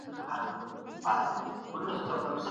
مګر د کتاب ارزښت په خپل ځای دی.